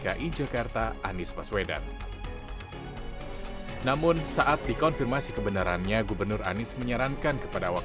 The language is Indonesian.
ketua umum partai gerindra prabowo subianto menyinggung mengenai besaran dana proyek